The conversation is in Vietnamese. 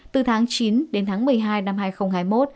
từ tháng chín đến tháng một mươi hai năm hai nghìn hai mươi một